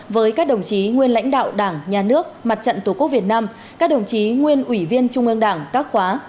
với các đồng chí nguyên lãnh đạo đảng nhà nước mặt trận tổ quốc việt nam các đồng chí nguyên ủy viên trung ương đảng các khóa